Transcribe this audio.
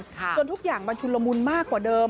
จนทุกอย่างมันชุนละมุนมากกว่าเดิม